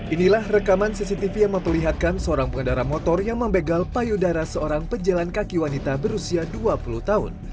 inilah rekaman cctv yang memperlihatkan seorang pengendara motor yang membegal payudara seorang pejalan kaki wanita berusia dua puluh tahun